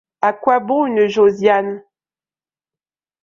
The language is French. À quoi bon une Josiane?